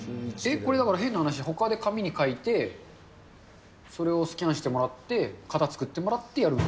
これ、だから変な話、ほかで紙にかいて、それをスキャンしてもらって、型作ってもらって。